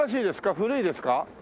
古いですか？